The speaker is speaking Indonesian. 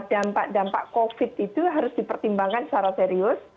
dampak dampak covid itu harus dipertimbangkan secara serius